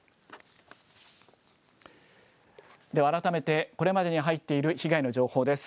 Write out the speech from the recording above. では、改めてこれまでに入っている被害の情報です。